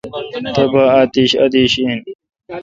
تبا اتیش ادیش این۔